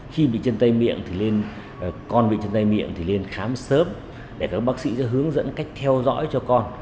khi bị chân tay miệng thì lên khám sớm để các bác sĩ sẽ hướng dẫn cách theo dõi cho con